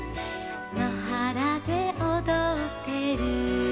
「のはらでおどってる」